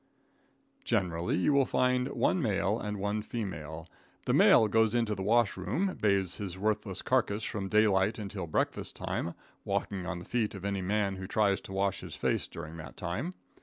Generally, you will find one male and one female. The male goes into the wash room, bathes his worthless carcass from daylight until breakfast time, walking on the feet of any man who tries to wash his face during that time.